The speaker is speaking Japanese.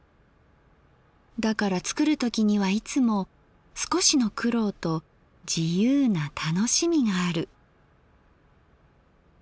だから作る時にはいつも少しの苦労と自由な楽しみがある。